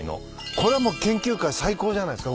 これはもう研究会最高じゃないですか。